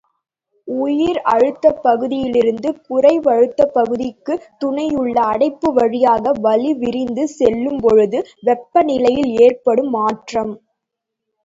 உயர் அழுத்தப்பகுதியிலிருந்து குறைவழுத்தப்பகுதிக்குத் துளையுள்ள அடைப்பு வழியாக வளி விரிந்து செல்லும்பொழுது வெப்ப நிலையில் ஏற்படும் மாற்றம்.